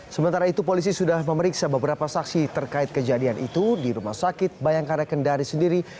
sementara itu polisi sudah memeriksa beberapa saksi terkait kejadian itu di rumah sakit bayangkara kendari sendiri